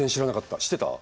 知ってた？